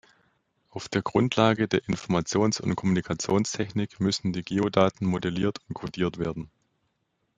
Auf der Grundlage der Informations- und Kommunikationstechnik müssen die Geodaten modelliert und codiert werden.